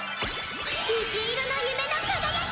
虹色の夢の輝き！